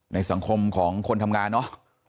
ในสังคมของคนทำงานเนอะ